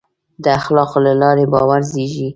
د اخلاقو له لارې باور زېږي.